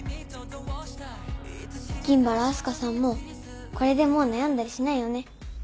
銀原明日香さんもこれでもう悩んだりしないよね？